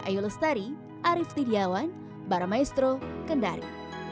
diayu lestari arief didiawan baramaestro kendari